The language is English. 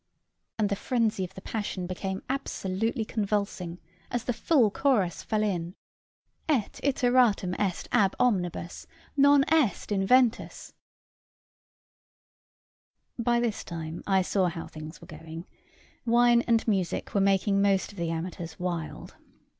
And the frenzy of the passion became absolutely convulsing, as the full chorus fell in "Et iteratum est ab omnibus Non est inventus" By this time I saw how things were going: wine and music were making most of the amateurs wild.